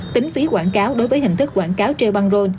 tính phí quảng cáo đối với hình thức quảng cáo treo băng rôn